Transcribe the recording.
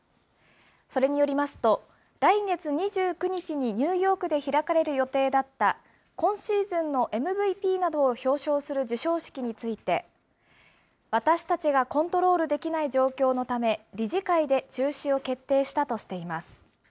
それによりますと、来月２９日にニューヨークで開かれる予定だった、今シーズンのＭＶＰなどを表彰する授賞式について、私たちがコントロールできない状況のため、理事会で中止を決定したとしています。